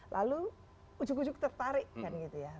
lalu ujuk ujuk tertarik kan gitu ya